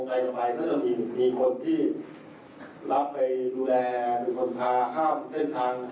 ถ้าทำรอดถึงเขาก็กักระนี่ให้